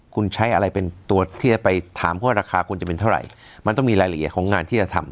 คุณใช้อะไรเป็นตัวที่จะไปถามว่าราคาควรจะเป็นเท่าไหร่มันต้องมีรายละเอียดของงานที่จะทำ